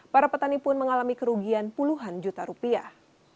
para petani pun mengalami kerugian puluhan juta rupiah